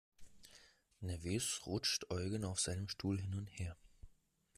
Nervös rutscht Eugen auf seinem Stuhl hin und her.